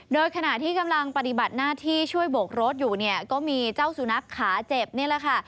โดยขณะที่กำลังปฏิบัติหน้าที่ช่วยโบกรถอยู่เนี่ยก็มีเจ้าสุนัขขาเจ็บนี่แหละค่ะ